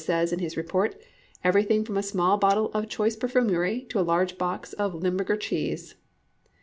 says in his report, "everything from a small bottle of choice perfumery to a large box of Limburger cheese."